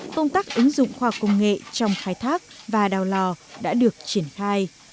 công tác ứng dụng khoa công nghệ trong khai thác và đào lò đã được triển khai